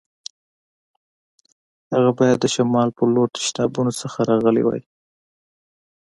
هغه باید د شمال په لور تشنابونو څخه راغلی وای.